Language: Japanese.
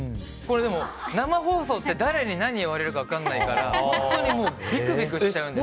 でも、生放送って誰に何言われるか分かんないから本当にびくびくしちゃうんですよ。